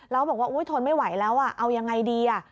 แล้วบอกว่าอุ๊ยทนไม่ไหวแล้วเอายังไงดี